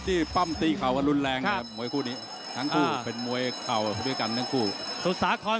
เอาอักยังไงแล้วเกิดขึ้น